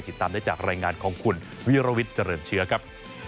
ติดตามได้จากรายงานของคุณวิรวิทย์เจริญเชื้อครับ